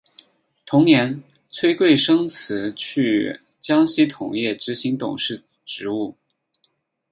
同年崔贵生辞去江西铜业执行董事职务。